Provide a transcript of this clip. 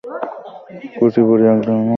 কুচিপুড়ি এক ধরনের নৃত্যনাট্য।